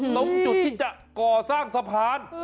ตรงจุดที่จะก่อสร้างสะพาน